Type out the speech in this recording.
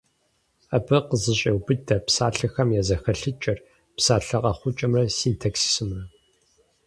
Абы къызэщӏеубыдэ псалъэхэм я зэхэлъыкӏэр, псалъэ къэхъукӏэмрэ синтаксисымрэ.